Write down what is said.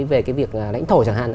về cái việc lãnh thổ chẳng hạn